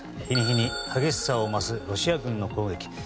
日に日に激しさを増すロシア軍の攻撃。